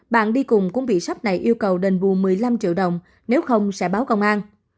bạn đi cùng cũng bị sắp này yêu cầu đền bù một mươi năm triệu đồng nếu không sẽ báo công an